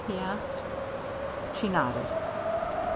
he asked. She nodded.